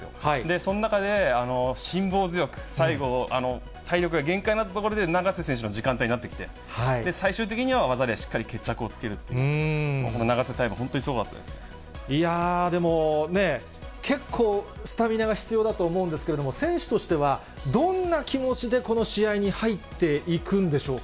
その中で、辛抱強く、最後、体力が限界になったところで、永瀬選手の時間帯になってきて、最終的には技でしっかり決着をつけるっていう、この永瀬タイム、でもね、結構スタミナが必要だと思うんですけれども、選手としては、どんな気持ちでこの試合に入っていくんでしょうか？